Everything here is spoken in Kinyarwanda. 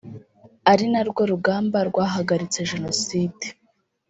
ari narwo rugamba rwahagaritse Jenoside